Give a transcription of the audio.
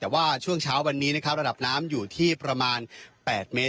แต่ว่าช่วงเช้าวันนี้นะครับระดับน้ำอยู่ที่ประมาณ๘เมตร๒๕เซนติเมตรเพียงเท่านั้นครับ